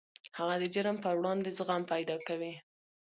هغه د جرم پر وړاندې زغم پیدا کوي